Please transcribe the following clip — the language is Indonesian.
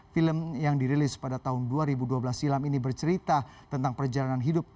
film yang dirilis pada tahun dua ribu dua belas silam ini bercerita tentang perjalanan hidup